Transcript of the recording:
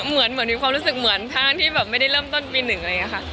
มีความรู้สึกเหมือนที่ไม่ได้เริ่มต้นปีหนึ่ง